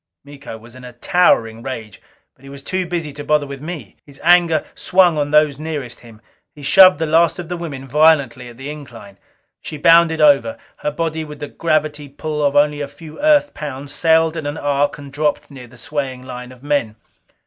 Miko was in a towering rage. But he was too busy to bother with me; his anger swung on those nearest him. He shoved the last of the women violently at the incline. She bounded over. Her body, with the gravity pull of only a few Earth pounds, sailed in an arc and dropped near the swaying line of men.